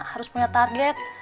harus punya target